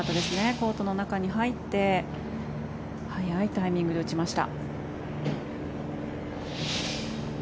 コートの中に入って早いタイミングで打ちました。